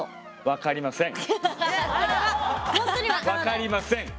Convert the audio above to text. わかりません！